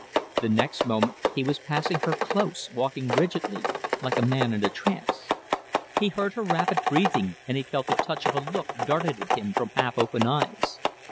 The next moment he was passing her close, walking rigidly, like a man in a trance. He heard her rapid breathing and he felt the touch of a look darted at him from half open eyes.